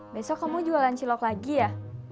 besok kamu jualan cilok lagi ya